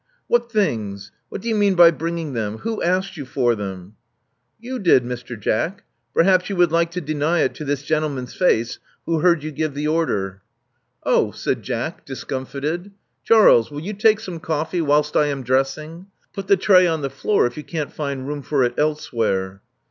*'What things? What do you mean by bringing them? Who asked you for them?*' *'You did, Mr Jack. Perhaps you would like to deny it to this gentleman's face, who heard you give the order." Love Among the Artists 417 '*Oh!" said Jack, discomfited. *' Charles: will you take some coffee whilst I am dressing. Put the tray on the floor if you can't find room for it elsewhere."